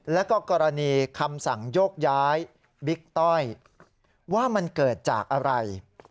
แล้วก็กรณีคำสั่งโยกย้ายบิ๊กต้อยว่ามันเกิดจากอะไร